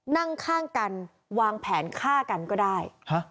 นั่งข้างกันวางแผนฆ่ากันก็ได้